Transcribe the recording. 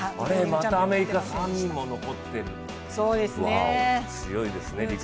またアメリカ３人も残ってる、ワオ、すごいですね。